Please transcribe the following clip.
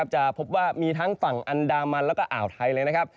จะพบว่ามีทั้งฝั่งอันดามันแล้วก็อ่าวไทยเลยนะครับ